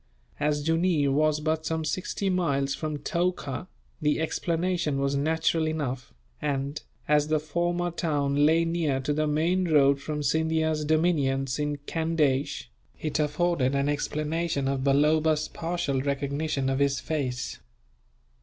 As Jooneer was but some sixty miles from Toka, the explanation was natural enough and, as the former town lay near to the main road from Scindia's dominions in Candeish, it afforded an explanation of Balloba's partial recognition of his face.